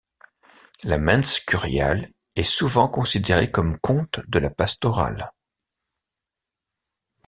La mense curiale est souvent considérée comme compte de la pastorale.